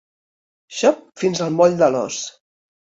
Xop fins al moll de l'os.